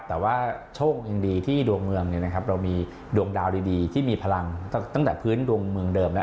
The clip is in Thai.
แต่ว่าโชคยังดีที่ดวงเมืองเรามีดวงดาวดีที่มีพลังตั้งแต่พื้นดวงเมืองเดิมแล้ว